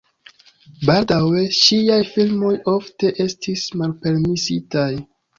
Baldaŭe ŝiaj filmoj ofte estis malpermesitaj.